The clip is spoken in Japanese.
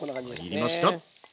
入りました！